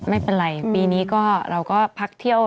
ไม่เป็นไรปีนี้ก็เราก็พักเที่ยว